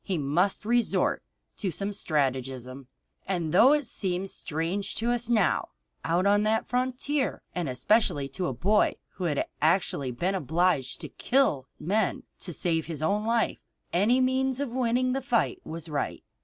He must resort to some stratagem, and though it seems strange to us now, out on that frontier, and especially to a boy who had actually been obliged to kill men to save his own life, any means of winning the fight was right.